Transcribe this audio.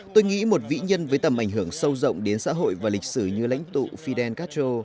tôi nghĩ một vĩ nhân với tầm ảnh hưởng sâu rộng đến xã hội và lịch sử như lãnh tụ fidel castro